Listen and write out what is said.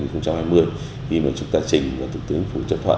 khi mà chúng ta trình và thủ tướng chính phủ chấp thuận